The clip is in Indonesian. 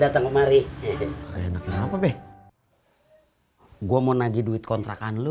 datang kemari enaknya apa beb hai gua mau naji duit kontrakan lu